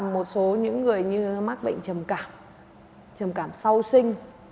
một số những người như mắc bệnh trầm cảm trầm cảm sau sinh